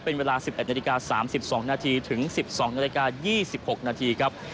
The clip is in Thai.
เป็นเวลา๑๑นาฬิกา๓๒นาทีถึง๑๒นาฬิกา๒๖นาทีครับ